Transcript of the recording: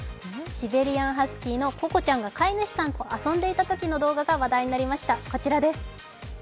シベリアンハスキーのココちゃんが飼い主さんと遊んでいたときの動画が話題になりました。